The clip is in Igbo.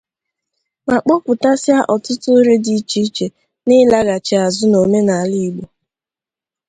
ma kpọpụtasịa ọtụtụ uru dị icheiche dị n'ịlaghachi azụ n'omenala Igbo.